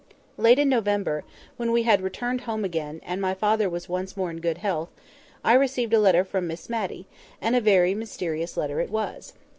Late in November—when we had returned home again, and my father was once more in good health—I received a letter from Miss Matty; and a very mysterious letter it was.